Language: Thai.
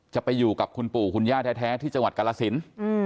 จะไปอยู่กับคุณปู่คุณย่าแท้ที่จังหวัดกรสิน